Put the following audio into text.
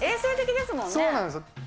そうなんですよ。